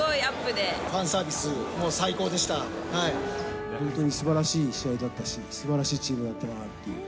ファンサービス、もう最高で本当にすばらしい試合だったし、すばらしいチームだったなっていう。